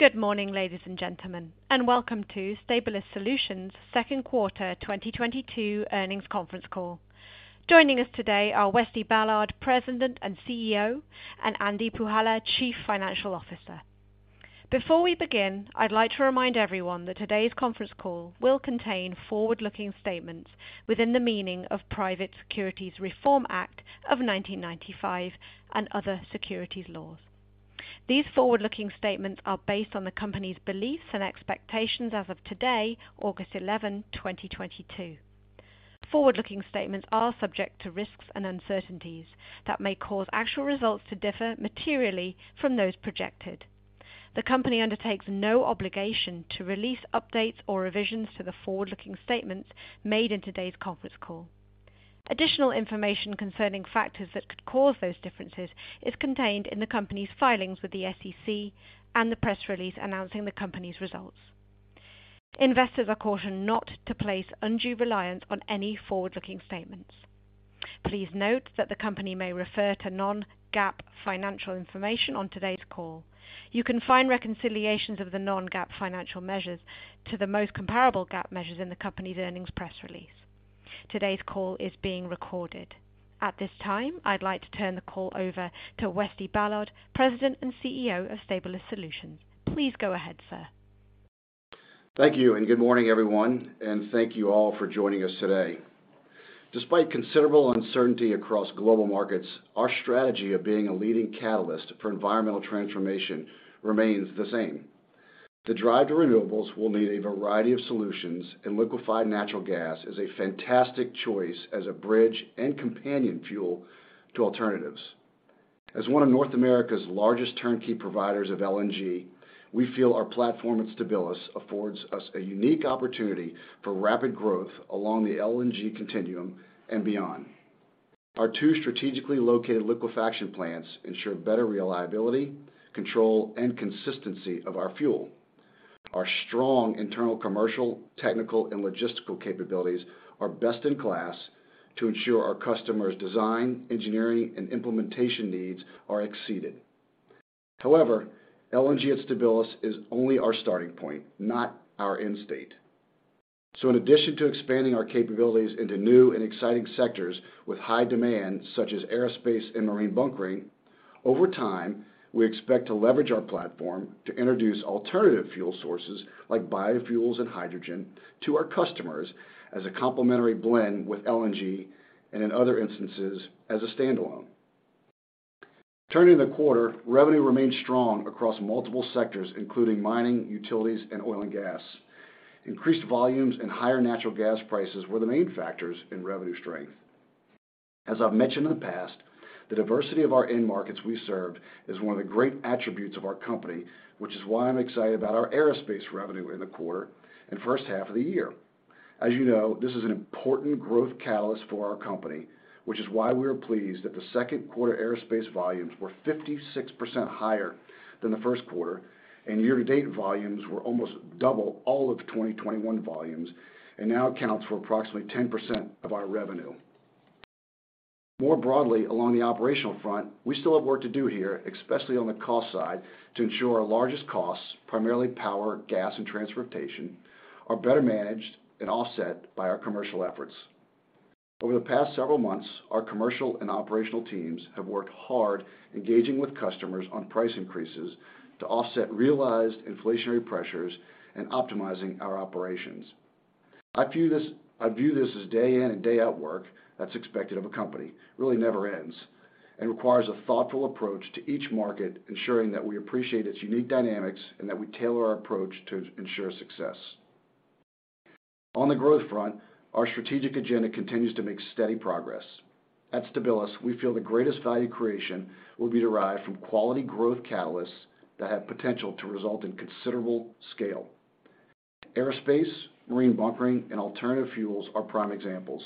Good morning, ladies and gentlemen, and welcome to Stabilis Solutions Q2 2022 earnings conference call. Joining us today are Westeria Ballard, President and CEO, and Andy Puhala, Chief Financial Officer. Before we begin, I'd like to remind everyone that today's conference call will contain forward-looking statements within the meaning of Private Securities Litigation Reform Act of 1995 and other securities laws. These forward-looking statements are based on the company's beliefs and expectations as of today, August 11, 2022. Forward-looking statements are subject to risks and uncertainties that may cause actual results to differ materially from those projected. The company undertakes no obligation to release updates or revisions to the forward-looking statements made in today's conference call. Additional information concerning factors that could cause those differences is contained in the company's filings with the SEC and the press release announcing the company's results. Investors are cautioned not to place undue reliance on any forward-looking statements. Please note that the company may refer to non-GAAP financial information on today's call. You can find reconciliations of the non-GAAP financial measures to the most comparable GAAP measures in the company's earnings press release. Today's call is being recorded. At this time, I'd like to turn the call over to Westeria Ballard, President and CEO of Stabilis Solutions. Please go ahead, sir. Thank you, and good morning, everyone, and thank you all for joining us today. Despite considerable uncertainty across global markets, our strategy of being a leading catalyst for environmental transformation remains the same. The drive to renewables will need a variety of solutions, and liquefied natural gas is a fantastic choice as a bridge and companion fuel to alternatives. As one of North America's largest turnkey providers of LNG, we feel our platform at Stabilis affords us a unique opportunity for rapid growth along the LNG continuum and beyond. Our two strategically located liquefaction plants ensure better reliability, control, and consistency of our fuel. Our strong internal commercial, technical, and logistical capabilities are best in class to ensure our customers' design, engineering, and implementation needs are exceeded. However, LNG at Stabilis is only our starting point, not our end state. In addition to expanding our capabilities into new and exciting sectors with high demand, such as aerospace and marine bunkering, over time, we expect to leverage our platform to introduce alternative fuel sources like biofuels and hydrogen to our customers as a complementary blend with LNG, and in other instances, as a standalone. Turning to the quarter, revenue remained strong across multiple sectors, including mining, utilities, and oil and gas. Increased volumes and higher natural gas prices were the main factors in revenue strength. As I've mentioned in the past, the diversity of our end markets we served is one of the great attributes of our company, which is why I'm excited about our aerospace revenue in the quarter and first half of the year. As this is an important growth catalyst for our company, which is why we are pleased that the Q2 aerospace volumes were 56% higher than the Q1, and year-to-date volumes were almost double all of 2021 volumes and now accounts for approximately 10% of our revenue. More broadly, along the operational front, we still have work to do here, especially on the cost side, to ensure our largest costs, primarily power, gas, and transportation, are better managed and offset by our commercial efforts. Over the past several months, our commercial and operational teams have worked hard engaging with customers on price increases to offset realized inflationary pressures and optimizing our operations. I view this as day in and day out work that's expected of a company. Really never ends and requires a thoughtful approach to each market, ensuring that we appreciate its unique dynamics and that we tailor our approach to ensure success. On the growth front, our strategic agenda continues to make steady progress. At Stabilis, we feel the greatest value creation will be derived from quality growth catalysts that have potential to result in considerable scale. Aerospace, marine bunkering, and alternative fuels are prime examples.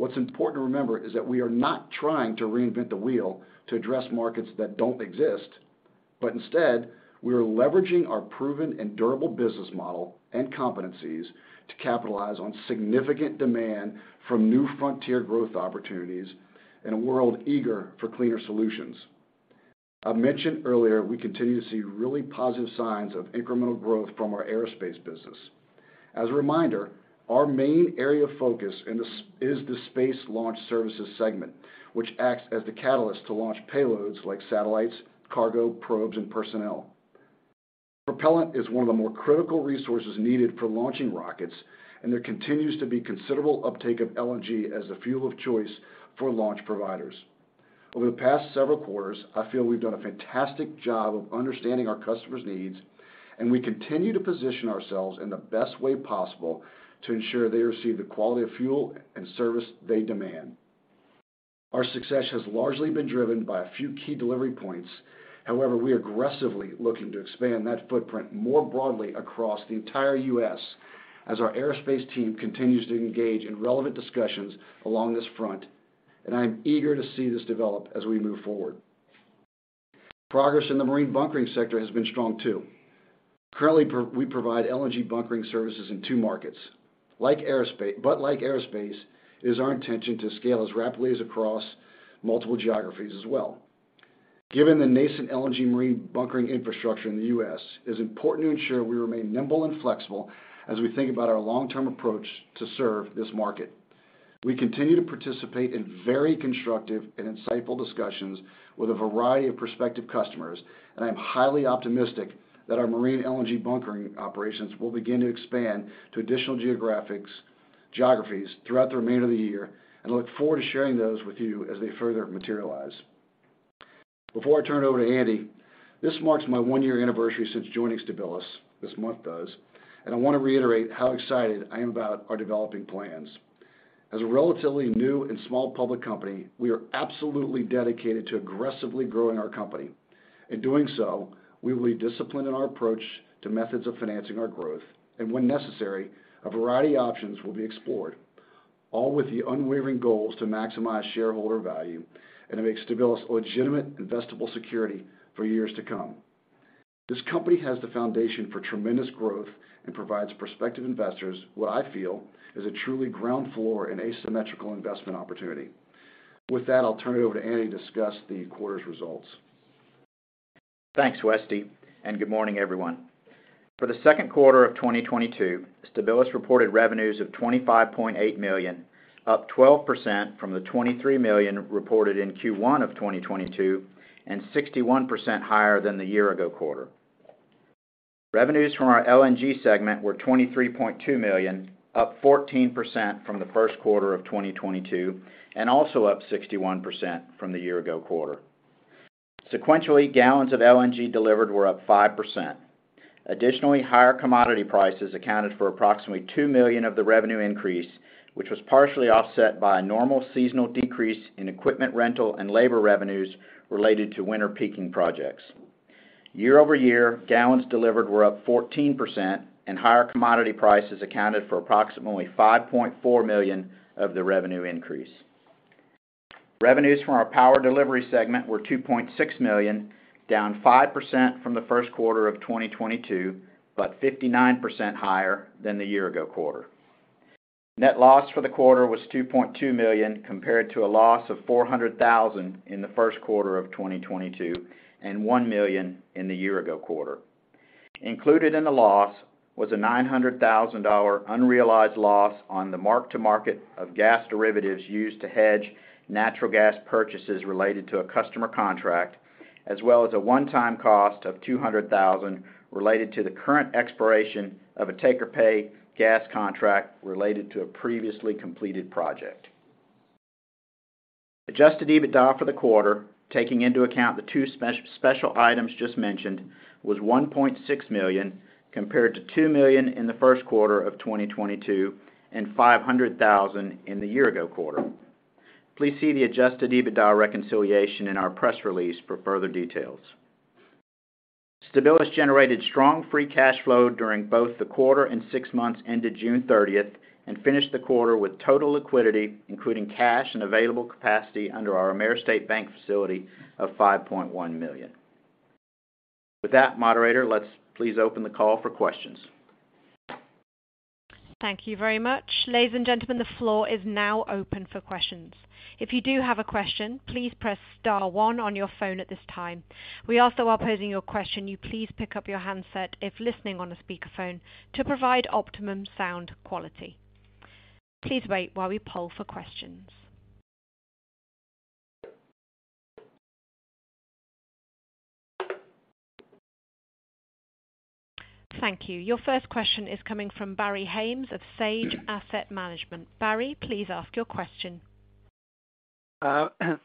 What's important to remember is that we are not trying to reinvent the wheel to address markets that don't exist. Instead, we are leveraging our proven and durable business model and competencies to capitalize on significant demand from new frontier growth opportunities in a world eager for cleaner solutions. I mentioned earlier, we continue to see really positive signs of incremental growth from our aerospace business. As a reminder, our main area of focus is the space launch services segment, which acts as the catalyst to launch payloads like satellites, cargo, probes, and personnel. Propellant is one of the more critical resources needed for launching rockets, and there continues to be considerable uptake of LNG as the fuel of choice for launch providers. Over the past several quarters, I feel we've done a fantastic job of understanding our customers' needs, and we continue to position ourselves in the best way possible to ensure they receive the quality of fuel and service they demand. Our success has largely been driven by a few key delivery points. However, we are aggressively looking to expand that footprint more broadly across the entire U.S. as our aerospace team continues to engage in relevant discussions along this front, and I am eager to see this develop as we move forward. Progress in the marine bunkering sector has been strong too. Currently, we provide LNG bunkering services in two markets. But like aerospace, it is our intention to scale as rapidly as across multiple geographies as well. Given the nascent LNG marine bunkering infrastructure in the U.S., it's important to ensure we remain nimble and flexible as we think about our long-term approach to serve this market. We continue to participate in very constructive and insightful discussions with a variety of prospective customers, and I'm highly optimistic that our marine LNG bunkering operations will begin to expand to additional geographies throughout the remainder of the year, and look forward to sharing those with you as they further materialize. Before I turn it over to Andy, this marks my one-year anniversary since joining Stabilis, this month does, and I want to reiterate how excited I am about our developing plans. As a relatively new and small public company, we are absolutely dedicated to aggressively growing our company. In doing so, we will be disciplined in our approach to methods of financing our growth, and when necessary, a variety of options will be explored, all with the unwavering goals to maximize shareholder value and to make Stabilis a legitimate investable security for years to come. This company has the foundation for tremendous growth and provides prospective investors what I feel is a truly ground floor and asymmetrical investment opportunity. With that, I'll turn it over to Andy to discuss the quarter's results. Thanks, Westy, and good morning, everyone. For the Q2 of 2022, Stabilis reported revenues of $25.8 million, up 12% from the $23 million reported in Q1 of 2022, and 61% higher than the year-ago quarter. Revenues from our LNG segment were $23.2 million, up 14% from the Q1 of 2022, and also up 61% from the year-ago quarter. Sequentially, gallons of LNG delivered were up 5%. Additionally, higher commodity prices accounted for approximately $2 million of the revenue increase, which was partially offset by a normal seasonal decrease in equipment rental and labor revenues related to winter peaking projects. Year-over-year, gallons delivered were up 14% and higher commodity prices accounted for approximately $5.4 million of the revenue increase. Revenues from our power delivery segment were $2.6 million, down 5% from the Q1 of 2022, but 59% higher than the year-ago quarter. Net loss for the quarter was $2.2 million, compared to a loss of $400,000 in the Q1 of 2022 and $1 million in the year-ago quarter. Included in the loss was a $900,000 unrealized loss on the mark-to-market of gas derivatives used to hedge natural gas purchases related to a customer contract, as well as a one-time cost of $200,000 related to the current expiration of a take-or-pay gas contract related to a previously completed project. Adjusted EBITDA for the quarter, taking into account the two special items just mentioned, was $1.6 million, compared to $2 million in the Q1 of 2022 and $500,000 in the year-ago quarter. Please see the adjusted EBITDA reconciliation in our press release for further details. Stabilis generated strong free cash flow during both the quarter and six months ended June, and finished the quarter with total liquidity, including cash and available capacity under our Ameris Bank facility of $5.1 million. With that, moderator, let's please open the call for questions. Thank you very much. Ladies and gentlemen, the floor is now open for questions. If you do have a question, please press star one on your phone at this time. We ask that while posing your question, you please pick up your handset if listening on a speakerphone to provide optimum sound quality. Please wait while we poll for questions. Thank you. Your first question is coming from Barry Haimes of Sage Asset Management. Barry, please ask your question.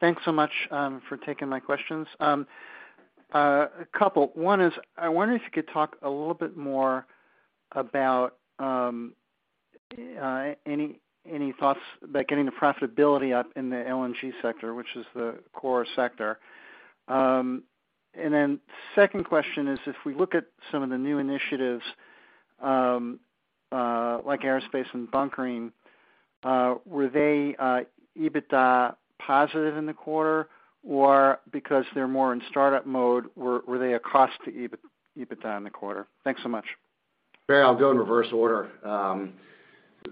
Thanks so much for taking my questions. A couple. One is, I wonder if you could talk a little bit more about any thoughts about getting the profitability up in the LNG sector, which is the core sector. Second question is if we look at some of the new initiatives, like aerospace and bunkering, were they EBITDA positive in the quarter? Or because they're more in startup mode, were they a cost to EBITDA in the quarter? Thanks so much. Barry, I'll go in reverse order.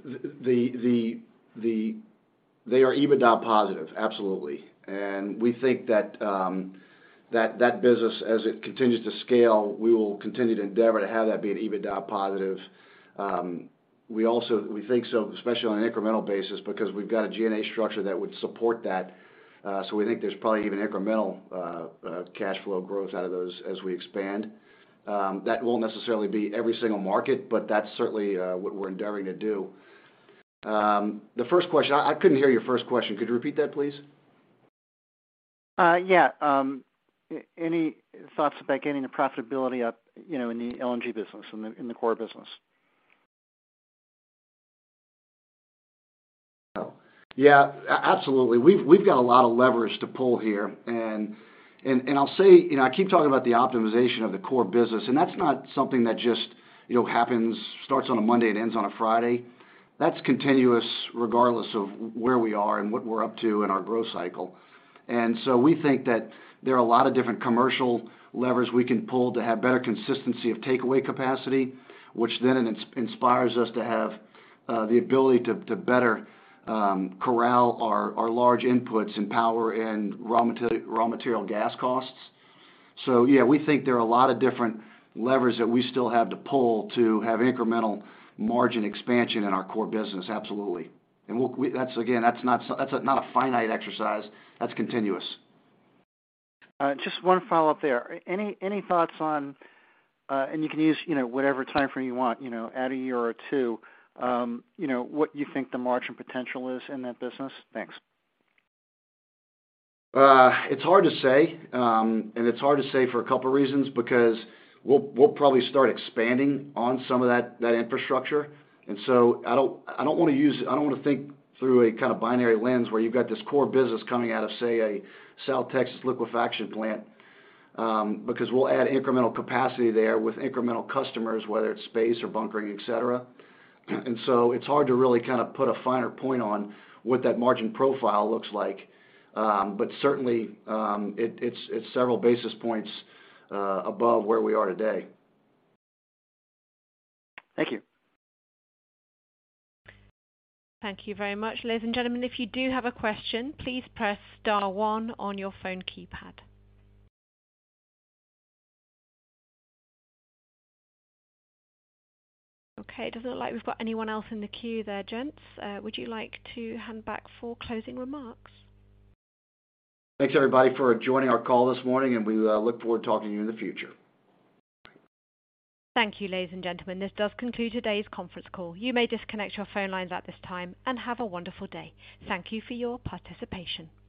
They are EBITDA positive. Absolutely. We think that that business, as it continues to scale, we will continue to endeavor to have that be an EBITDA positive. We think so, especially on an incremental basis, because we've got a G&A structure that would support that. We think there's probably even incremental cash flow growth out of those as we expand. That won't necessarily be every single market, but that's certainly what we're endeavoring to do. The first question. I couldn't hear your first question. Could you repeat that, please? Any thoughts about getting the profitability up in the LNG business, in the core business? Absolutely. We've got a lot of leverage to pull here. I'll say I keep talking about the optimization of the core business, and that's not something that just happens, starts on a Monday and ends on a Friday. That's continuous regardless of where we are and what we're up to in our growth cycle. We think that there are a lot of different commercial levers we can pull to have better consistency of takeaway capacity, which then inspires us to have the ability to better corral our large inputs in power and raw material gas costs. Yeah, we think there are a lot of different levers that we still have to pull to have incremental margin expansion in our core business. Absolutely. That's again, that's not a finite exercise. That's continuous. All right. Just one follow-up there. Any thoughts on, and you can use whatever time frame you want add a year or two what you think the margin potential is in that business? Thanks. It's hard to say. It's hard to say for a couple reasons, because we'll probably start expanding on some of that infrastructure. I don't want to think through a kind of binary lens where you've got this core business coming out of, say, a South Texas liquefaction plant, because we'll add incremental capacity there with incremental customers, whether it's space or bunkering, et cetera. It's hard to really kind of put a finer point on what that margin profile looks like. But certainly, it's several basis points above where we are today. Thank you. Thank you very much. Ladies and gentlemen, if you do have a question, please press star one on your phone keypad. Okay, it doesn't look like we've got anyone else in the queue there, gents. Would you like to hand back for closing remarks? Thanks, everybody for joining our call this morning, and we look forward to talking to you in the future. Thank you, ladies and gentlemen. This does conclude today's conference call. You may disconnect your phone lines at this time and have a wonderful day. Thank you for your participation.